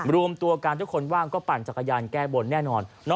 รวมตัวกันทุกคนว่างก็ปั่นจักรยานแก้บนแน่นอน